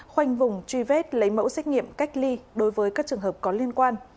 khoanh vùng truy vết lấy mẫu xét nghiệm cách ly đối với các trường hợp có liên quan